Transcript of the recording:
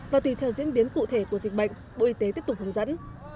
và tùy theo diễn biến cụ thể của dịch bệnh bộ y tế tiếp tục hướng dẫn